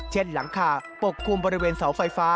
หลังคาปกคลุมบริเวณเสาไฟฟ้า